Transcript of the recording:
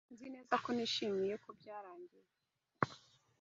Nzi neza ko nishimiye ko byarangiye.